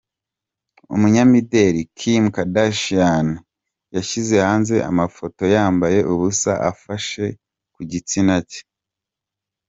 Umunyamideli Kim Kardashian yashyize hanze amafoto yambaye ubusa afashe ku gitsina cye .